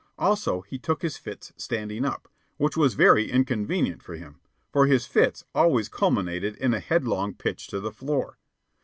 Also, he took his fits standing up, which was very inconvenient for him, for his fits always culminated in a headlong pitch to the floor.